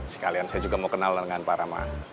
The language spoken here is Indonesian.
sekalian saya juga mau kenal dengan pak rama